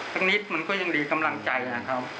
แค่นี้มันก็ยังดีกำลังใจครับ